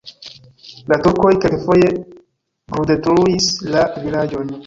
La turkoj kelkfoje bruldetruis la vilaĝon.